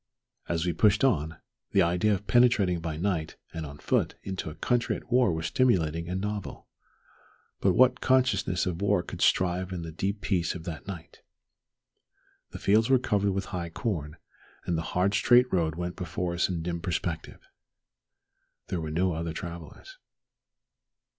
As we pushed on, the idea of penetrating by night and on foot into a country at war was stimulating and novel. But what consciousness of war could survive in the deep peace of that night? The fields were covered with high corn, and the hard straight road went before us in dim perspective. There were no other travellers.